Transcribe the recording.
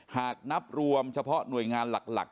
หากนับรวมเฉพาะหน่วยงานหลัก